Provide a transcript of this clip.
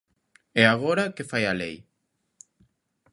E agora ¿que fai a lei?